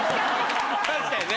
確かにね。